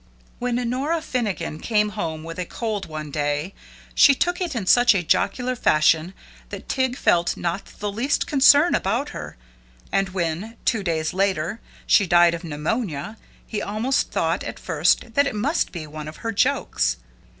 When Nora Finnegan came home with a cold one day, she took it in such a jocular fashion that Tig felt not the least concern about her, and when, two days later, she died of pneumonia, he almost thought, at first, that it must be one of her jokes.